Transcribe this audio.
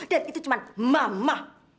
dan itu cuma mama